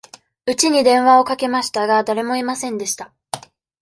うちに電話をかけましたが、誰もいませんでした。